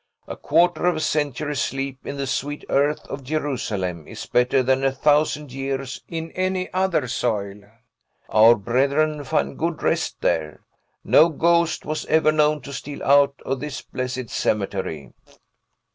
"A quarter of a century's sleep in the sweet earth of Jerusalem is better than a thousand years in any other soil. Our brethren find good rest there. No ghost was ever known to steal out of this blessed cemetery."